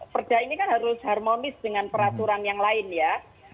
perda ini kan harus harmonis dengan peraturan yang lain ya